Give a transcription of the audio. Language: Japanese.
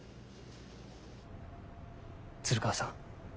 鶴川さん